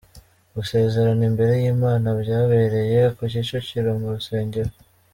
Gusezerana imbere y’Imana byabereye ku Kicukiro mu rusengero